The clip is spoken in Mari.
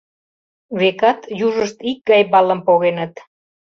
Векат, южышт икгай баллым погеныт.